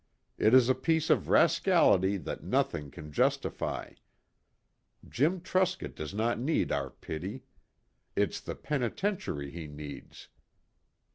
It is a piece of rascality that nothing can justify. Jim Truscott does not need our pity. It is the penitentiary he needs.